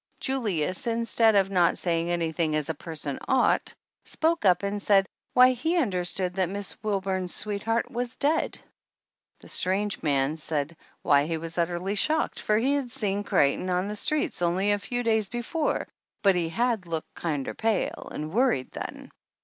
Julius, in stead of not saying anything as a person ought, spoke up and said why he understood that Miss Wilburn' s sweetheart was dead. The strange man said why he was utterly shocked for he had seen Creighton on the streets only a few days before, but he had looked kinder pale and wor ried then.